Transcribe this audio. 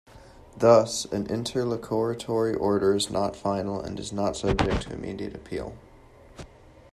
Thus, an interlocutory order is not final and is not subject to immediate appeal.